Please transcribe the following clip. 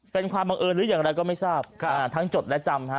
เป็นความบังเอิญหรืออย่างไรก็ไม่ทราบทั้งจดและจำฮะ